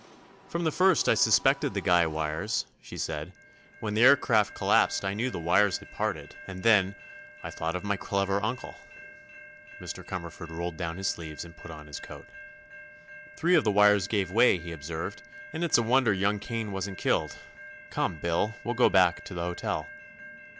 "From the first I suspected the guy wires," she said. "When the aircraft collapsed I knew the wires had parted, and then—I thought of my clever uncle." Mr. Cumberford rolled down his sleeves and put on his coat. "Three of the wires gave way," he observed, "and it's a wonder young Kane wasn't killed. Come, 'Bil; we'll go back to the hotel."